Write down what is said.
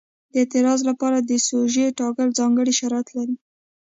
د اعتراض لپاره د سوژې ټاکل ځانګړي شرایط لري.